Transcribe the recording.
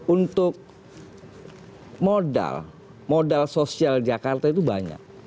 untuk modal modal sosial jakarta itu banyak